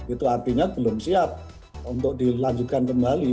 itu artinya belum siap untuk dilanjutkan kembali